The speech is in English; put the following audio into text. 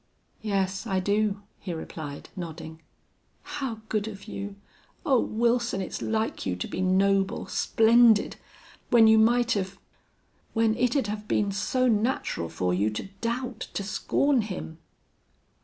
"Yes, I do," he replied, nodding. "How good of you! Oh! Wilson, it's like you to be noble splendid. When you might have when it'd have been so natural for you to doubt to scorn him!"